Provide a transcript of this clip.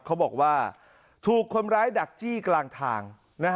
เขาบอกว่าถูกคนร้ายดักจี้กลางทาง